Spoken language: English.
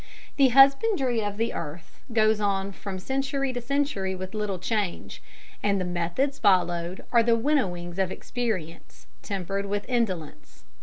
The husbandry of the earth goes on from century to century with little change, and the methods followed are the winnowings of experience, tempered with indolence.